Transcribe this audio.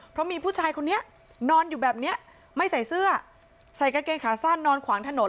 เพราะมีผู้ชายคนนี้นอนอยู่แบบเนี้ยไม่ใส่เสื้อใส่กางเกงขาสั้นนอนขวางถนน